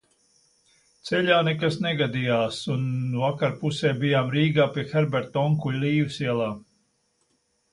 Ceļā nekas negadījās un vakarpusē bijām Rīgā pie Herberta onkuļa Līves ielā.